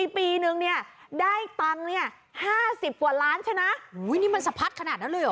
ปีหนึ่งเนี้ยได้ตังเนี้ยห้าสิบกว่าร้านใช่นะอุ้ยนี่มันสะพัดขนาดนั้นเลยหรอ